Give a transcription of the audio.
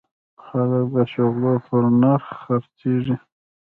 خلک د شلغمو په نرخ خرڅیږي